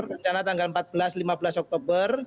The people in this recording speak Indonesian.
rencana tanggal empat belas lima belas oktober